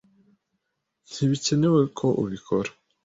Ntibikenewe ko ubikora